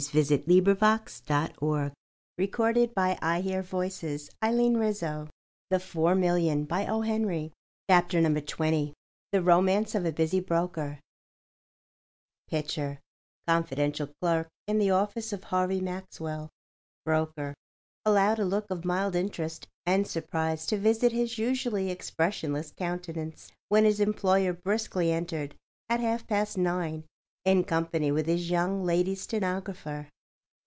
And between them swiftly passes comfort and meaning in a language that man and widows wot not of. THE ROMANCE OF A BUSY BROKER Pitcher, confidential clerk in the office of Harvey Maxwell, broker, allowed a look of mild interest and surprise to visit his usually expressionless countenance when his employer briskly entered at half past nine in company with his young lady stenographer.